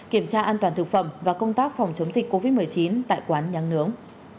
kiểm tra an toàn thực phẩm và công tác phòng chống dịch covid một mươi chín tại quán nháng nướng